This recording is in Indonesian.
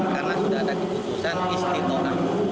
karena sudah ada keputusan istitut